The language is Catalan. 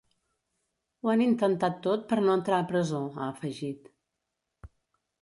Ho han intentat tot per no entrar a presó, ha afegit.